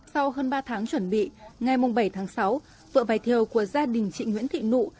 sau hơn ba tháng chuẩn bị ngày bảy tháng sáu vựa vải thiều của gia đình chị nguyễn thị nụ